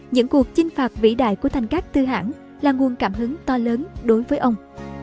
những cuộc chinh phạt vĩ đại của thành các tư hãng là nguồn cảm hứng to lớn đối với ông